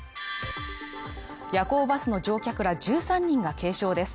夜行バスの乗客ら１３人が軽傷です。